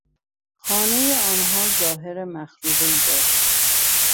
خانهی آنها ظاهر مخروبهای داشت.